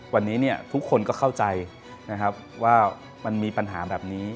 วันนี้ทุกคนก็เข้าใจว่ามันมีปัญหาแบบนี้